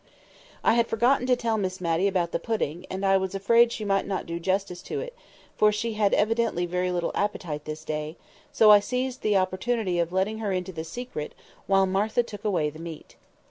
I had forgotten to tell Miss Matty about the pudding, and I was afraid she might not do justice to it, for she had evidently very little appetite this day; so I seized the opportunity of letting her into the secret while Martha took away the meat.